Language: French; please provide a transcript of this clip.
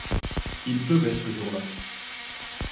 Il pleuvait ce jour-là.